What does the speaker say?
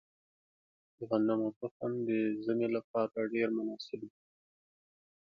د غنمو تخم د ژمي لپاره ډیر مناسب دی.